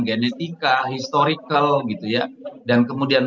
genetika historical gitu ya dan kemudian